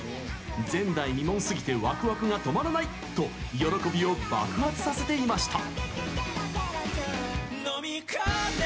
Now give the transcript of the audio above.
「前代未聞すぎてワクワクが止まらない！」と喜びを爆発させていました！